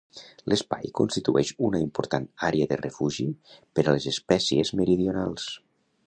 L’Espai constitueix una important àrea de refugi per a les espècies meridionals.